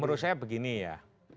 menurut saya begini ya